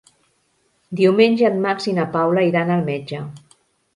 Diumenge en Max i na Paula iran al metge.